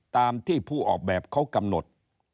ตามที่ผู้ออกแบบเขากำหนด